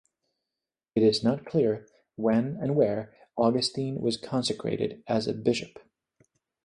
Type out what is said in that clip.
It is not clear when and where Augustine was consecrated as a bishop.